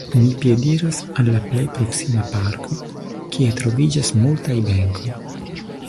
Mi piediras al la plej proksima parko, kie troviĝas multaj benkoj.